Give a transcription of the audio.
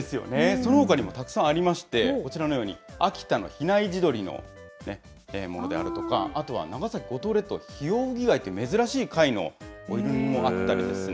そのほかにもたくさんありまして、こちらのように、秋田の比内地鶏のものであるとか、あとは長崎・五島列島、ヒオウギ貝っていう、珍しい貝のものもあったりですね。